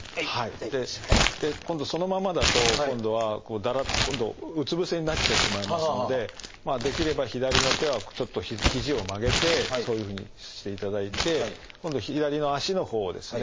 今度そのまんまだと今度はうつぶせになってしまいますのでできれば左の手はちょっと肘を曲げてそういうふうにしていただいて今度左の脚のほうをですね